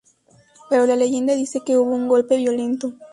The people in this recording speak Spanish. Pero la leyenda dice que hubo un golpe violento.